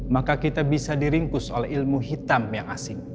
maka kita bisa diringkus oleh ilmu hitam yang asing